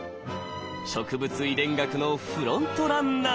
植物遺伝学のフロントランナー。